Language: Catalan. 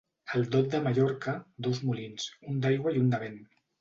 El dot de Mallorca, dos molins: un d'aigua i un de vent.